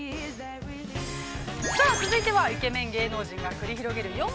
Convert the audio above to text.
◆さあ、続いてはイケメン芸能人が繰り広げる